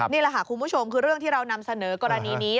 นี่แหละค่ะคุณผู้ชมคือเรื่องที่เรานำเสนอกรณีนี้